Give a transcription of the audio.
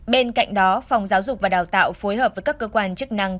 bên cạnh đó phòng giáo dục và đào tạo phối hợp với các cơ quan chức năng